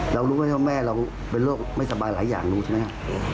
เรารู้ว่าแม่เราเป็นโรคไม่สบายหลายอย่างรู้ใช่ไหม